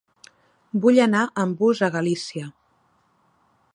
Vull anar amb bus a Galícia.